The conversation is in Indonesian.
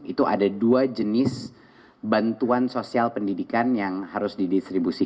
itu ada dua jenis bantuan sosial pendidikan yang harus didistribusikan